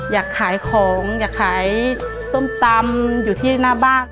อยากขายของอยากขายส้มตำอยู่ที่หน้าบ้าน